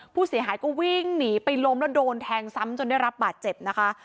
ผู้เสียหายก็วิ่งหนีไปล้มแล้วโดนแทงซ้ำจนได้รับบาดเจ็บนะคะ